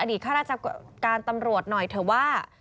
ข้าราชการตำรวจหน่อยเถอะว่า